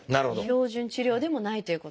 標準治療でもないということですね。